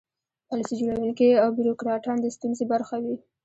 پالیسي جوړوونکي او بیروکراټان د ستونزې برخه وي.